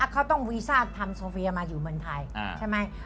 เขาต้องวีซ่าทำโซเฟียมาอยู่เมืองไทยใช่ไหม